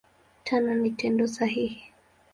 Tano ni Tendo sahihi.